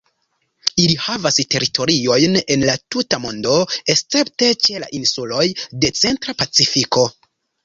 Ili havas teritoriojn en la tuta mondo, escepte ĉe la insuloj de centra Pacifiko.